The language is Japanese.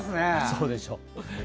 そうでしょ。